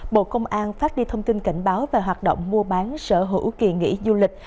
bộ công an phát đi thông tin cảnh báo về hoạt động mua bán sở hữu kỳ nghỉ du lịch